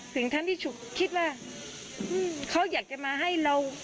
ถึงขั้นที่ฉุกคิดว่าเขาอยากจะมาให้เรา